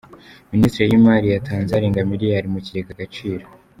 Minisiteri y’Imari yatanze arenga miliyari mu kigega Agaciro